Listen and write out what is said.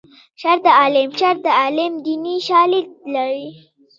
شر د عالم شر د عالم دیني شالید لري